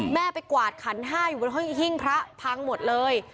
แม่ไปกวาดขันห้าอยู่บนหิ้งพระพังหมดเลย